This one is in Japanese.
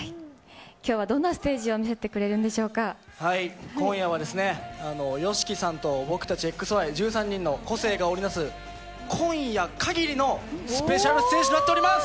きょうはどんなステージを見今夜は、ＹＯＳＨＩＫＩさんと僕たちＸＹ１３人の個性が織り成す、今夜限りのスペシャルステージとなっております。